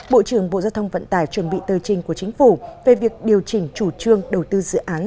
bộ trưởng bộ giao thông vận tải chuẩn bị tờ trình của chính phủ về việc điều chỉnh chủ trương đầu tư dự án